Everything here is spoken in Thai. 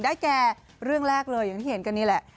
แก่เรื่องแรกเลยอย่างที่เห็นกันนี่แหละ